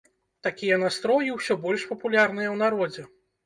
Такія настроі ўсё больш папулярныя ў народзе.